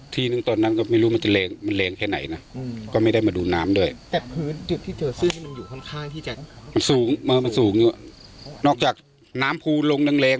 แต่พื้นที่เจอเสื้อมันอยู่ข้างที่จะมันสูงมันสูงอยู่นอกจากน้ำพูลงดังเล็ก